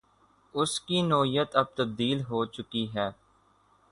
اس کی نوعیت اب تبدیل ہو چکی ہے۔